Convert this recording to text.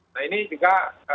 nah ini juga